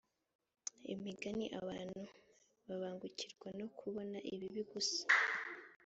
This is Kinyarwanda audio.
imigani abantu babangukirwa no kubona ibibi gusa